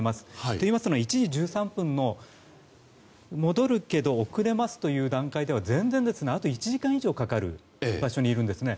といいますのは１時１３分の戻るけど遅れますという段階ではあと１時間以上かかる場所にいたんですね。